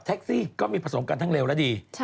ซี่ก็มีผสมกันทั้งเร็วและดี